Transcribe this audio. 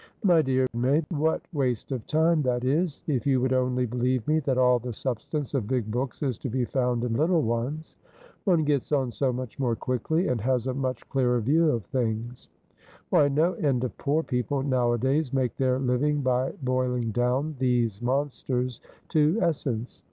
"My dear May, what waste of time that is! If you would only believe me that all the substance of big books is to be found in little ones! One gets on so much more quickly, and has a much clearer view of things. Why, no end of poor people nowadays make their living by boiling down these monsters to essence.